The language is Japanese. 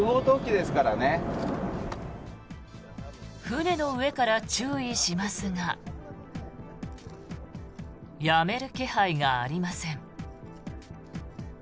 船の上から注意しますがやめる気配がありません。